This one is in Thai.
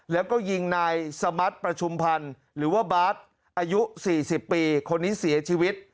แล้วก็ยิงนายสมัติประชุมพันธ์หรือว่าบาร์ดอายุ๔๐ปีคนนี้เสียชีวิต